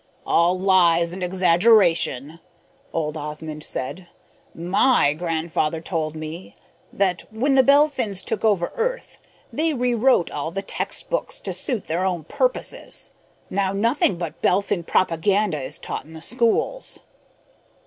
"All lies and exaggeration," old Osmond said. "My grandfather told me that, when the Belphins took over Earth, they rewrote all the textbooks to suit their own purposes. Now nothing but Belphin propaganda is taught in the schools."